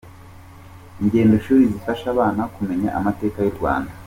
Ingendoshuri zifasha abana kumenya amateka y’u Rwanda